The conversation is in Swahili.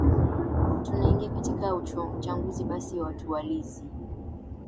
tunaingia katika uchanguzi basi watuwalizi